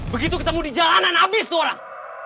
begitu ketemu di jalanan habis tuh orang